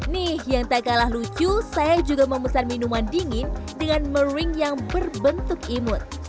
nih yang tak kalah lucu saya juga memesan minuman dingin dengan mering yang berbentuk imut